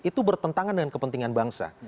itu bertentangan dengan kepentingan bangsa